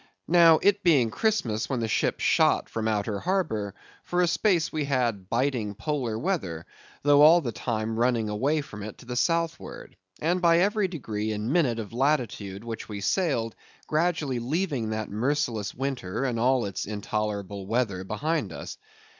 Now, it being Christmas when the ship shot from out her harbor, for a space we had biting Polar weather, though all the time running away from it to the southward; and by every degree and minute of latitude which we sailed, gradually leaving that merciless winter, and all its intolerable weather behind us.